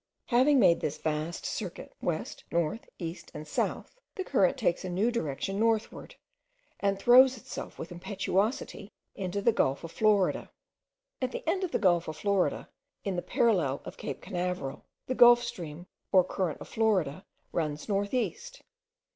Having made this vast circuit west, north, east, and south, the current takes a new direction northward, and throws itself with impetuosity into the Gulf of Florida. At the end of the Gulf of Florida, in the parallel of Cape Cannaveral, the Gulf stream, or current of Florida, runs north east.